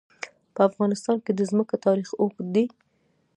په افغانستان کې د ځمکه تاریخ اوږد دی.